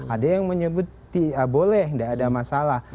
ada yang menyebut boleh nggak ada masalah